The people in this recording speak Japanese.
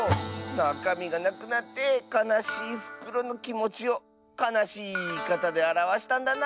なかみがなくなってかなしいふくろのきもちをかなしいいいかたであらわしたんだな。